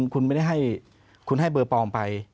คุณไม่ได้ให้คุณให้เบอร์ปลอมไป